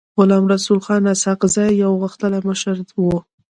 غلام رسول خان اسحق زی يو غښتلی مشر و.